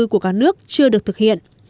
của các nước chưa được thực hiện